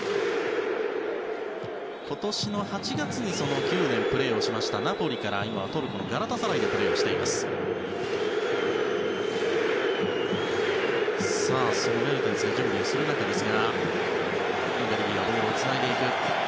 今年の８月に９年プレーしましたナポリから今はトルコのガラタサライでプレーしています。